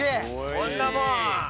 こんなもん。